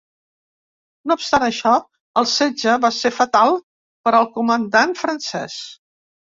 No obstant això, el setge va ser fatal per al comandant francès.